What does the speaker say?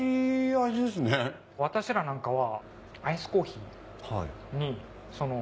私らなんかは。